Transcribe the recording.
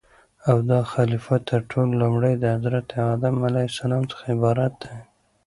او داخليفه تر ټولو لومړى دحضرت ادم عليه السلام څخه عبارت دى